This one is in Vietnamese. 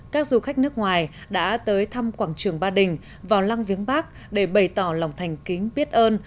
các du khách nước ngoài đã tới thăm quảng trường ba đình vào lăng viếng bắc để bày tỏ lòng thành kính biết ơn